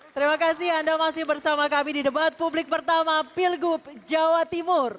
terima kasih anda masih bersama kami di debat publik pertama pilgub jawa timur